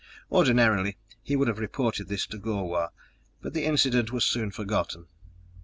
Ordinarily he would have reported this to Gor wah, but the incident was soon forgotten.